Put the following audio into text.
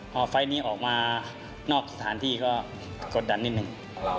พอไฟล์นี้ออกมานอกสถานที่ก็กดดันนิดนึง